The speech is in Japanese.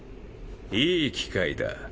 いい機会だ。